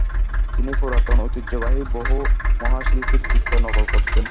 তিনি পুরাতন ঐতিহ্যবাহী বহু মহাশিল্পীর চিত্র নকল করতেন।